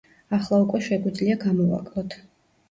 ახლა უკვე შეგვიძლია გამოვაკლოთ.